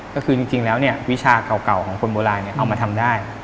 ก็คือจริงแล้ววิชาเก่าของคนโบราณเอามาทำได้